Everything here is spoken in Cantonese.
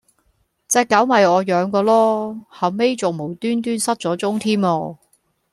隻狗咪我養嗰囉，後尾重無端端失咗蹤添啊